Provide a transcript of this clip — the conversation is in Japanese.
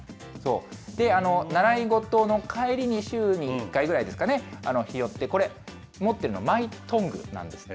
習い事の帰りに、週に１回ぐらいですかね、拾って、これ、持ってるのマイトングなんですって。